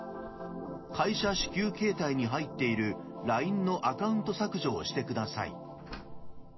会社支給携帯に入っているＬＩＮＥのアカウント削除をしてください。